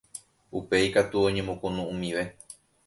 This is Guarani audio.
Upéi katu oñemokunu'ũmive